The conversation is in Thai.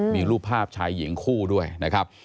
มีรูปภาพชายหญิงคู่ด้วยนะครับ